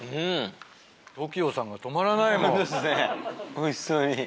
おいしそうに。